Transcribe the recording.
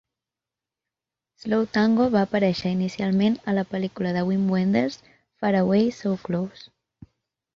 "Slow Tango" va aparèixer inicialment a la pel·lícula de Wim Wenders "Faraway, So Close!".